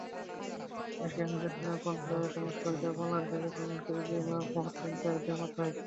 Asian badminton কনফেডারেশনের সহায়তায় বাংলাদেশের ব্যাডমিন্টনকে এগিয়ে নেওয়ার মহৎ চিন্তা এদের মাথায়।